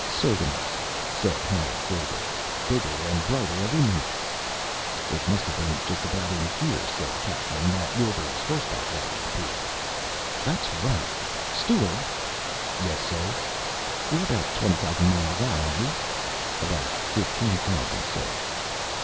_"Sirgamesk," said Howard Frayberg, "bigger and brighter every minute." "It must've been just about in here," said Catlin, "that Wilbur's horseback rider appeared." "That's right! Steward!" "Yes, sir?" "We're about twenty thousand miles out, aren't we?" "About fifteen thousand, sir."